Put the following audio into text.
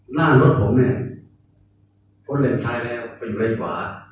หน้ารถผมเนี่ยพอเร่งซ้ายแล้วไปเร่งขวา